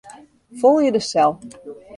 Folje de sel.